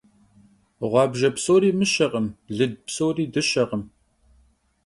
Ğuabjje psori mışekhım, lıd psori dışekhım.